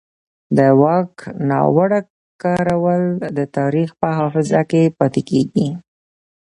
د واک ناوړه کارول د تاریخ په حافظه کې پاتې کېږي